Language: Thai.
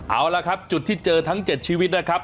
เอาละครับจุดที่เจอทั้ง๗ชีวิตนะครับ